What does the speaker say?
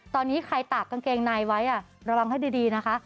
ตอนนี้ใครตากกางเกงในไว้ระวังให้ดีนะคะ